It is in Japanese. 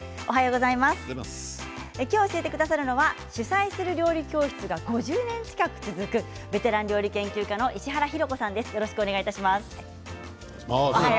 今日、教えてくださるのは主宰する料理教室が５０年近く続くベテラン料理研究家の石原洋子さんです。